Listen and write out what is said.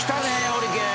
ホリケン。